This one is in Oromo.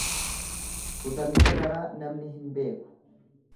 Kutannoo garaa namni hin beeku.